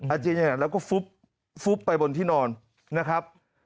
เจียนอย่างนั้นแล้วก็ฟุบไปบนที่นอนนะครับ